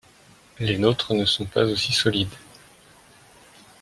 Les nôtre ne sont pas aussi solides.